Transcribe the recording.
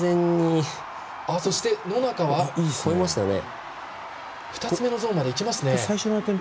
野中、２つ目のゾーンまでいきますね。